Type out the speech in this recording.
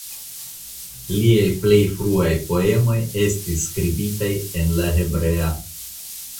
Liaj plej fruaj poemoj estis skribita en la hebrea.